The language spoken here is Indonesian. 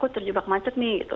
terjebak macet nih gitu